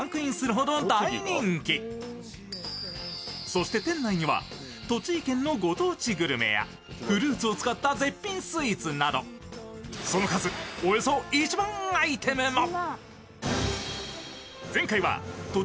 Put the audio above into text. そして店内には、栃木県のご当地グルメやフルーツを使った絶品スイーツなどその数およそ１万アイテムも。